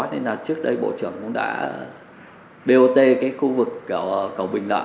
nên là trước đây bộ trưởng cũng đã đeo tê cái khu vực cầu bình lợi